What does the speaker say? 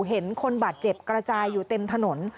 เห็นคนบาดเจ็บกระจายอยู่เต็มถนน